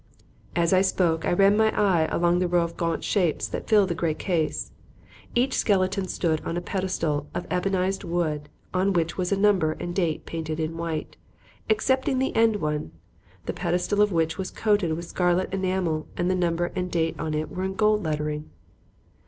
As I spoke, I ran my eye along the row of gaunt shapes that filled the great case. Each skeleton stood on a pedestal of ebonized wood on which was a number and a date painted in white, excepting the end one, the pedestal of which was coated with scarlet enamel and the number and date on it in gold lettering.